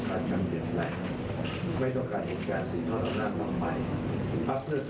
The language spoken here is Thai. ก็จะกลับไปเจ็บจุดมือของพี่น้องประชาชน